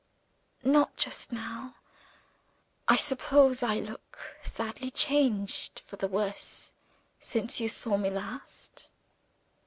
"Not just now. I suppose I look sadly changed for the worse since you saw me last?"